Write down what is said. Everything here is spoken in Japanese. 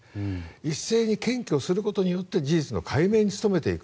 一斉に検挙することによって事実の解明に努めていく。